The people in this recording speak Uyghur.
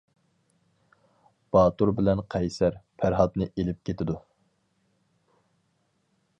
باتۇر بىلەن قەيسەر پەرھاتنى ئېلىپ كېتىدۇ.